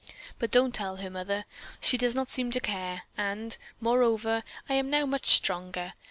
But don't tell her, mother. She does not seem to care, and, moreover, I am now much stronger.